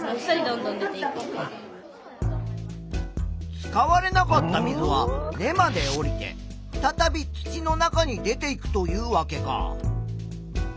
使われなかった水は根まで下りてふたたび土の中に出ていくというわけか。